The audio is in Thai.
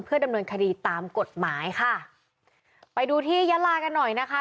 ดำเนินคดีตามกฎหมายค่ะไปดูที่ยาลากันหน่อยนะคะ